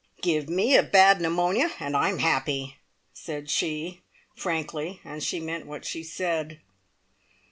"Give me a bad pneumonia, and I'm happy!" said she, frankly, and she meant what she said.